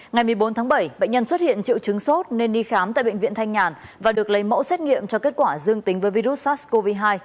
ngày một mươi bốn tháng bảy bệnh nhân xuất hiện triệu chứng sốt nên đi khám tại bệnh viện thanh nhàn và được lấy mẫu xét nghiệm cho kết quả dương tính với virus sars cov hai